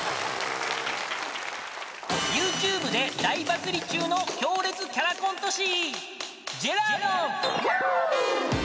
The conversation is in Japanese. ［ＹｏｕＴｕｂｅで大バズり中の強烈キャラコント師］